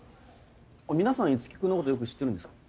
皆さん樹君のことよく知ってるんですか？